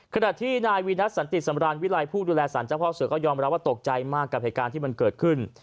ขณะที่นายวีนัทสันติสำราญวิลัยผู้ดูแลสารเจ้าพ่อเสือก็ยอมรับว่าตกใจมากกับเหตุการณ์ที่มันเกิดขึ้น